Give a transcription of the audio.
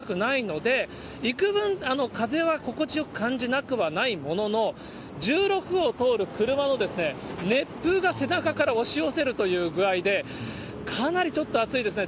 それと風があって、湿度がそこまで高くないので、いくぶん、風は心地よく感じなくはないものの、１６号を通る車の熱風が背中から押し寄せるという具合で、かなりちょっと暑いですね。